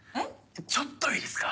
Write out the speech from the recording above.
ちょっといいですか？